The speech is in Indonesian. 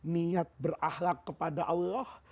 niat berahlak kepada allah